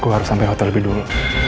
gua harus sampai hotel dulu